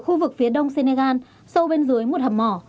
khu vực phía đông senegal sâu bên dưới một hầm mỏ